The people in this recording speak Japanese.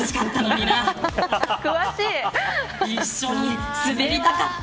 一緒に滑りたかった。